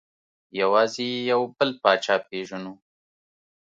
یوازې یو بل پاچا پېژنو.